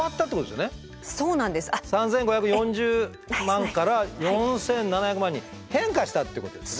３，５４０万から４，７００万に変化したってことですね。